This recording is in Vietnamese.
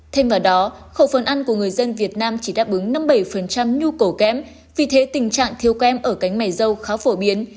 thêm vào đó khẩu phân ăn của người dân việt nam chỉ đáp ứng năm mươi bảy nhu cầu kém vì thế tình trạng thiếu kem ở cánh mầy dâu khá phổ biến